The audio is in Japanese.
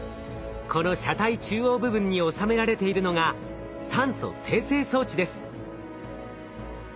この車体中央部分に収められているのが酸素生成装置です。